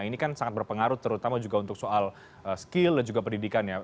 ini kan sangat berpengaruh terutama juga untuk soal skill dan juga pendidikan ya